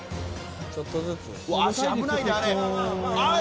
ちょっとずつ。